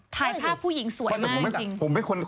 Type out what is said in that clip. ถ่ายภาพผู้หญิงสวยมากจริงขนาดนี้